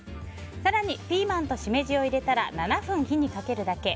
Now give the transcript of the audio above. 更にピーマンとシメジを入れたら７分火にかけるだけ。